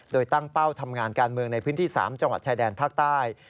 โดยตั้งเป้าทำงานการเมืองในพื้นที่๓จังหวัดชายแดนภาคใต้